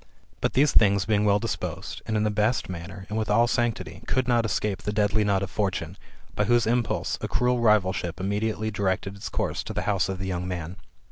But these things being well disposed, and in the best manner, and with all sanctity, could not ei^cape the deadly nod of Fortune, by whose impulse a cruel rivalship immediately directed its course to the house of the young man.